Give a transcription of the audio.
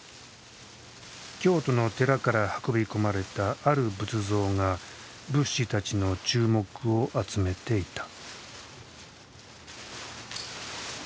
京都の寺から運び込まれたある仏像が仏師たちの注目を集めていた。